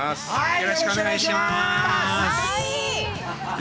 よろしくお願いします。